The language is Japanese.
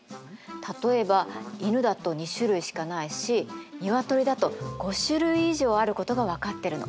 例えば犬だと２種類しかないし鶏だと５種類以上あることが分かってるの。